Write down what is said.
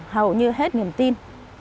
hầu như hết niềm tin